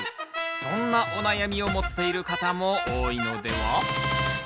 そんなお悩みを持っている方も多いのでは？